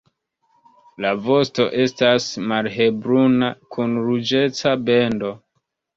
La vosto estas malhelbruna, kun ruĝeca bendo.